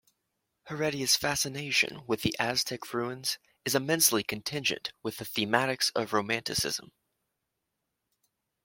Heredia's fascination with the Aztec Ruins is immensely contingent with the thematics of Romanticism.